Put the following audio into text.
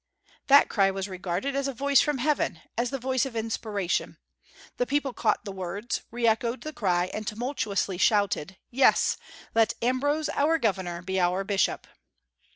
That cry was regarded as a voice from heaven, as the voice of inspiration. The people caught the words, re echoed the cry, and tumultuously shouted, "Yes! let Ambrose our governor be our bishop!"